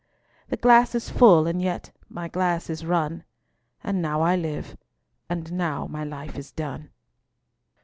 The glass is full, and yet my glass is run; And now I live, and now my life is done.